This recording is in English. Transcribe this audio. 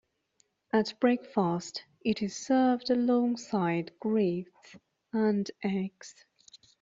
At breakfast it is served alongside grits and eggs.